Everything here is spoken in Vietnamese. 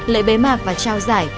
lễ bế mạc và trao giải